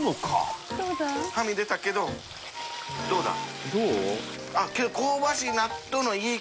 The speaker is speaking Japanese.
淵船礇鵝はみ出たけどどうだ？